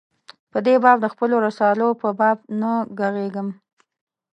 په دې باب د خپلو رسالو په باب نه ږغېږم.